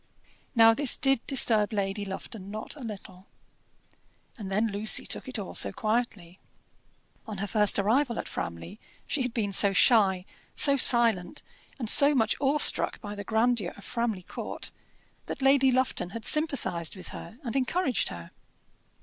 Now this did disturb Lady Lufton not a little. And then Lucy took it all so quietly. On her first arrival at Framley she had been so shy, so silent, and so much awestruck by the grandeur of Framley Court, that Lady Lufton had sympathized with her and encouraged her.